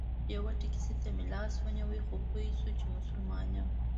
یوه ټیکسي ته مې لاس ونیو خو پوی شو چې زه مسلمان یم.